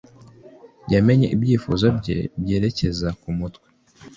yamenye ibyiyumvo bye, byerekeza kumutwe